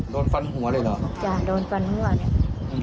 โดนฟันหัวเลยเหรอจ้ะโดนฟันหัวเนี่ย